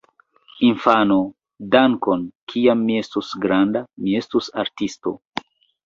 Infano: "Dankon! Kiam mi estos granda, mi estos artisto!"